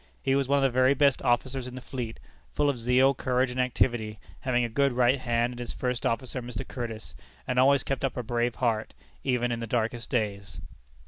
He was one of the very best officers in the fleet, full of zeal, courage, and activity (having a good right hand in his first officer, Mr. Curtis), and always kept up a brave heart, even in the darkest days.